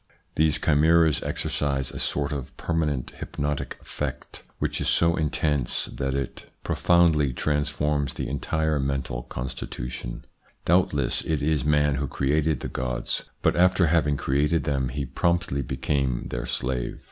These chimeras exercise a sort of permanent hypnotic effect which is so intense that it IQ2 THE PSYCHOLOGY OF PEOPLES : profoundly transforms the entire mental constitution. Doubtless it is man who created the gods, but after having created them he promptly became their slave.